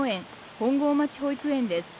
本郷町保育園です